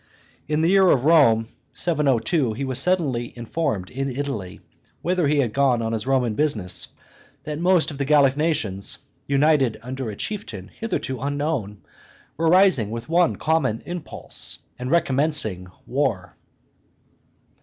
In the year of Rome 702 he was suddenly informed in Italy, whither he had gone on his Roman business, that most of the Gallic nations, united under a chieftain hitherto unknown, were rising with one common impulse, and recommencing war.